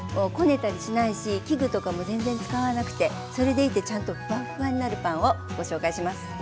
こねたりしないし器具とかも全然使わなくてそれでいてちゃんとフワフワになるパンをご紹介します。